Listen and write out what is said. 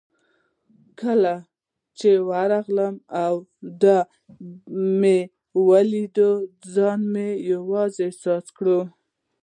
خو کله چې ورغلم او دا مې ونه لیدل، ځان مې یوازې احساس کړ.